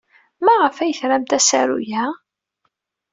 Maɣef ay tramt asaru-a?